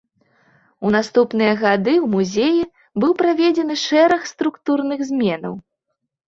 У наступныя гады ў музеі быў праведзены шэраг структурных зменаў.